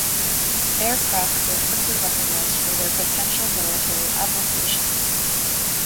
Aircraft were quickly recognized for their potential military applications.